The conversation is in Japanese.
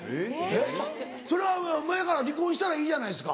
それはまぁやから離婚したらいいじゃないですか。